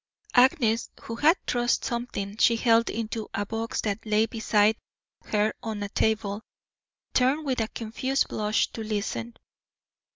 Agnes, who had thrust something she held into a box that lay beside her on a table, turned with a confused blush to listen.